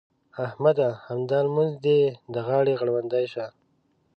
احمده! همدا لمونځ دې د غاړې غړوندی شه.